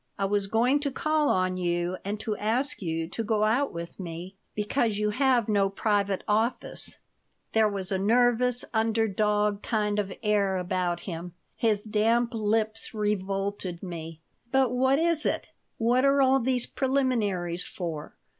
I was going to call on you and to ask you to go out with me, because you have no private office." There was a nervous, under dog kind of air about him. His damp lips revolted me "But what is it? What are all these preliminaries for?